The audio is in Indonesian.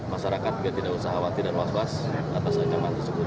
masyarakat biar tidak usah khawatir dan was was atas ancaman tersebut